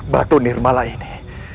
batu nirmala ini